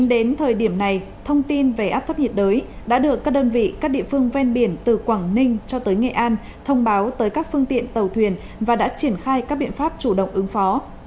đến thời điểm này thông tin về áp thấp nhiệt đới đã được các đơn vị các địa phương ven biển từ quảng ninh cho tới nghệ an thông báo tới các phương tiện tàu thuyền và đã triển khai các biện pháp chủ động ứng phó